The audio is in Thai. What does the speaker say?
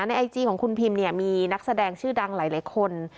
ไอจีของคุณพิมเนี่ยมีนักแสดงชื่อดังหลายคน